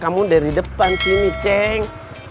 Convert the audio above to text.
kamu dari depan sini ceng